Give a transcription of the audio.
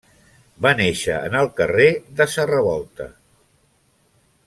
Va néixer en el carrer de sa Revolta.